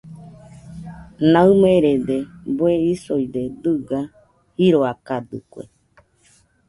Naɨmerede bueisoide dɨga jiroakadɨkue.